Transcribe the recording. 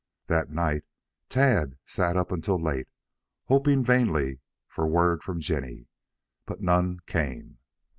That night Tad sat up until late, hoping vainly for word from Jinny, but none came.